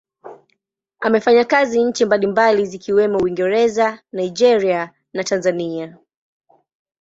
Amefanya kazi nchi mbalimbali zikiwemo Uingereza, Nigeria na Tanzania.